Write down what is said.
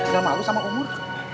gak malu sama umur